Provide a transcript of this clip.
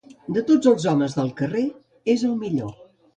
De tots els homes del carrer, és el millor.